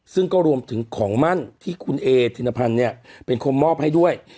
ซึ่งก็รวมถึงของมั่นที่คุณเอธินพันธ์เนี่ยเป็นคนมอบให้ด้วย